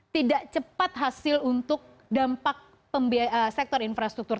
tidak cepat hasil untuk dampak sektor infrastruktur